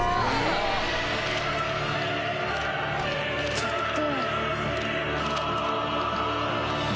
ちょっと！